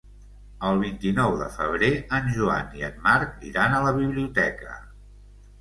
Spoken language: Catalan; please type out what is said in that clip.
El vint-i-nou de febrer en Joan i en Marc iran a la biblioteca.